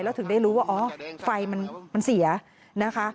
แล้วถึงได้รู้ว่าอ๋อไฟมันเสียนะคะ